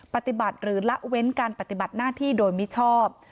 ปฏิบัติหรือละเว้นการปฏิบัติหน้าที่โดยมิชอบ